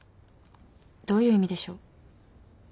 どういう意味でしょう？